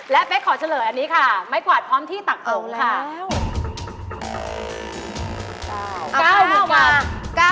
แล้วเป๊กขอเฉลยอันนี้ค่ะไม้กวาดพร้อมที่ต่างตรงค่ะ